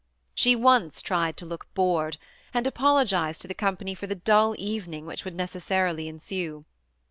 She once tried to look bored, and apologized to the company for the dull evening which would necessarily ensue.